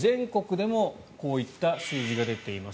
全国でもこういった数字が出ています。